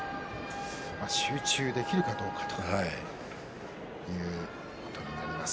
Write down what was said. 集中できるかどうかということになります。